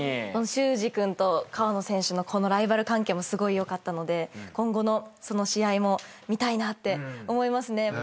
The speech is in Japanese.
修志君と川野選手のライバル関係もすごいよかったので今後の試合も見たいなって思いますね。